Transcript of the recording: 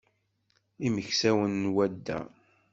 Imeksawen n wadda.